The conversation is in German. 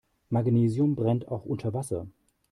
Magnesium brennt auch unter Wasser.